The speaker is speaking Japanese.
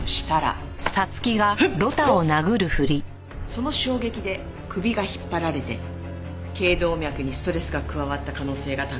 その衝撃で首が引っ張られて頸動脈にストレスが加わった可能性が高い。